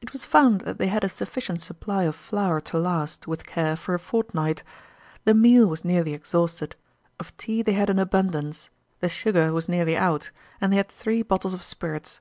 It was found that they had a sufficient supply of flour to last, with care, for a fortnight. The meal was nearly exhausted; of tea they had an abundance; the sugar was nearly out, and they had three bottles of spirits.